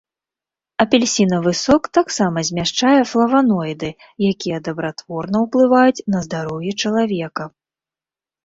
Апельсінавы сок таксама змяшчае флаваноіды, якія дабратворна ўплываюць на здароўе чалавека.